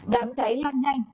đáng cháy lo nhanh